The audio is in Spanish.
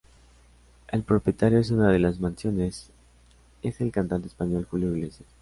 El propietario de una de las mansiones es el cantante español Julio Iglesias.